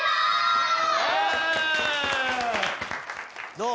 どう？